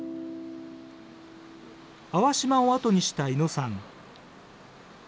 粟島を後にした伊野さん。